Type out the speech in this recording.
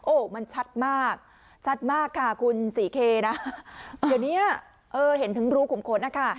โอ้โหมันชัดมากชัดมากค่ะคุณศรีเคนะเดี๋ยวเนี้ยเออเห็นถึงรูขุมขนนะคะ